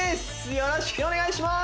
よろしくお願いします